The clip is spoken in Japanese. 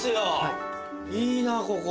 いいなここ。